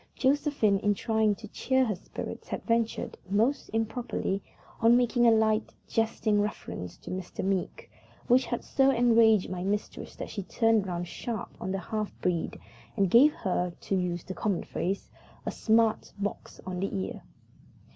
Josephine, in trying to cheer her spirits, had ventured, most improperly, on making a light, jesting reference to Mr. Meeke, which had so enraged my mistress that she turned round sharp on the half breed and gave her to use the common phrase a smart box on the ear.